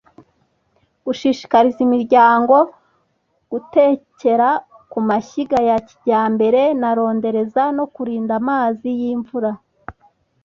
Gushishikariza imiryango ku gutekera ku mashyiga ya kijyambere na rondereza no kurinda amazi y’imvura